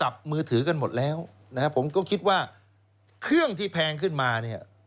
ผมก็คิดว่าเครื่องที่แพงขึ้นมาเนี่ย